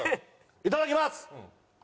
いただきます。